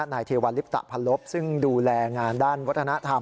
เทวัลลิปตะพันลบซึ่งดูแลงานด้านวัฒนธรรม